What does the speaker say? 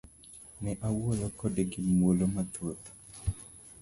Ne awuoyo kode gi muolo mathoth.